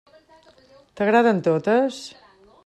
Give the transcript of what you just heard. T'agraden totes?